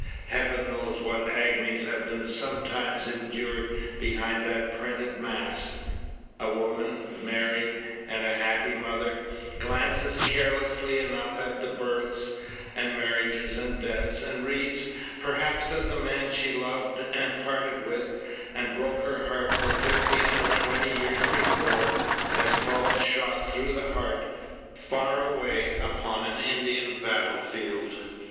Heaven knows what agonies have been sometimes endured behind that printed mass. A woman, married, and a happy mother, glances carelessly enough at the Births, and Marriages, and Deaths, and reads, perhaps, that the man she loved, and parted with, and broke her heart for fifteen or twenty years before, has fallen shot through the heart, far away upon an Indian battle field.